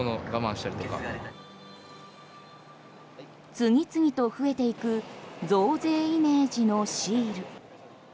次々と増えていく増税イメージのシール。